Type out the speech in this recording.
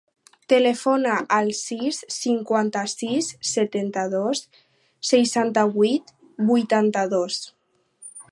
Telefona al sis, cinquanta-sis, setanta-dos, seixanta-vuit, vuitanta-dos.